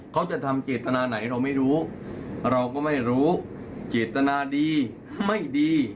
เขาจะทำเจตนาไหนเราไม่รู้เราก็ไม่รู้เจตนาดีไม่ดี